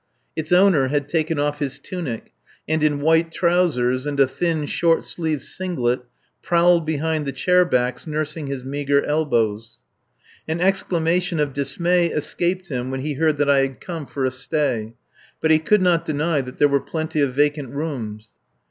Its owner had taken off his tunic, and in white trousers and a thin, short sleeved singlet prowled behind the chair backs nursing his meagre elbows. An exclamation of dismay escaped him when he heard that I had come for a stay; but he could not deny that there were plenty of vacant rooms.